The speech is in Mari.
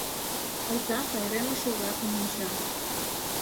Оза пайремлыше-влакым онча.